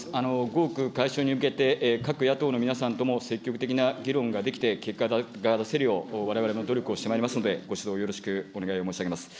合区解消に向けて、各野党の皆さんとも積極的な議論ができて、結果が出せるよう、われわれも努力をしてまいりますので、ご指導、よろしくお願いを申し上げます。